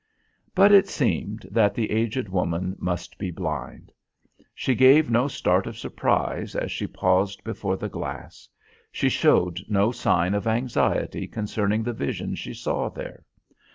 But it seemed that the aged woman must be blind. She gave no start of surprise as she paused before the glass; she showed no sign of anxiety concerning the vision she saw there.